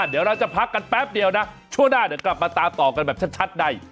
เดี๋ยวเราจะพักกันแป๊บเดียวนะช่วงหน้าเดี๋ยวกลับมาตามต่อกันแบบชัดใน